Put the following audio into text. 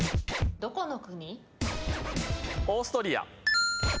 どこの国？